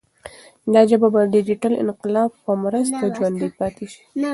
دا ژبه به د ډیجیټل انقلاب په مرسته ژوندۍ پاتې شي.